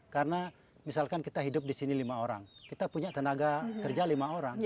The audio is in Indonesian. karena misalkan kita hidup di sini lima orang kita punya tenaga kerja lima orang